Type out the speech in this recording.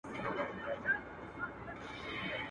په هرځای کي چي مي کړې آشیانه ده.